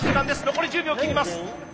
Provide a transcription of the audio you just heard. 残り１０秒を切ります。